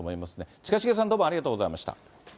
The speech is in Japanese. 近重さん、どうもありがとうございました。